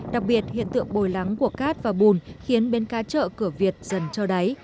đặc biệt hiện tượng bồi lắng của cát và bùn khiến bến cá chợ cửa việt dần trơ đáy